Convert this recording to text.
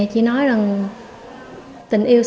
giờ mà bỏ